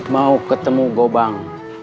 mau ketemu gopang